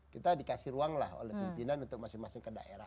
kita dikasih ruang lah oleh pimpinan untuk masing masing ke daerah